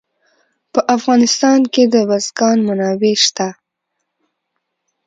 په افغانستان کې د بزګان منابع شته.